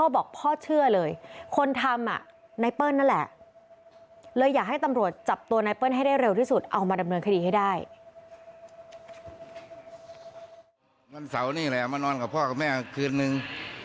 วันเสาร์นี่แหละมานอนกับพ่อกับแม่คืนนึง